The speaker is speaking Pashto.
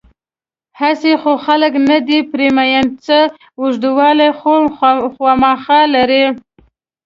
هسې خو خلک نه دي پرې مین، څه خوږوالی خو خوامخا لري.